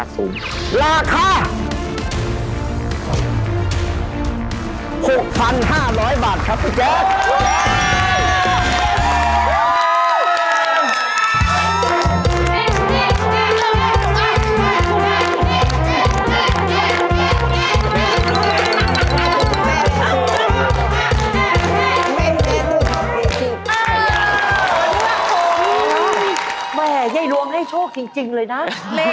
พูดเป้าไปเลยอะ